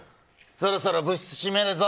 そろそろ部屋閉めるぞ。